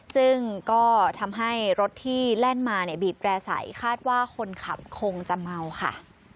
ซึ่งก็ทำให้รถที่แล่นมาเนี่ยบีบแร่ใสคาดว่าคนขับคงจะเมาค่ะ